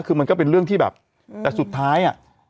แต่สุดท้าย